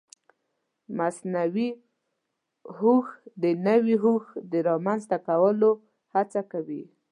مصنوعي هوښ د نوي هوښ د رامنځته کولو هڅه کوي.